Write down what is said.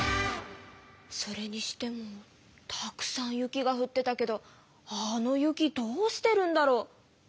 それにしてもたくさん雪がふってたけどあの雪どうしてるんだろ？